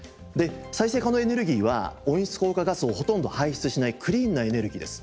再生可能エネルギーは温室効果ガスをほとんど排出しないクリーンなエネルギーです。